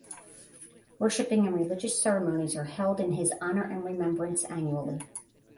Worshiping and religious ceremonies are held in his honour and remembrance annually.